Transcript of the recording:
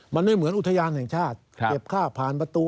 มันไม่เหมือนอุทยานแห่งชาติเก็บค่าผ่านประตู